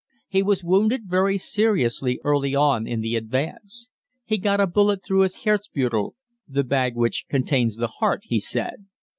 He was wounded very seriously early on in the advance. He got a bullet through his "Herzbeutel" (the bag which contains the heart), he said.